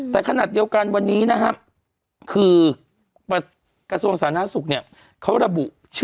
แต่ขณะเดียวกันวันนี้นะครับ